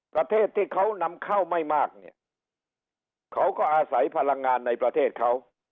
ประเทศที่เขานำเข้าไม่มากเนี่ยเขาก็อาศัยพลังงานในประเทศเขา